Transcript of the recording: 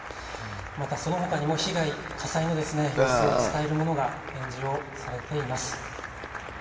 またそのほかにも被害、火災の様子を伝えるものが展示をされています。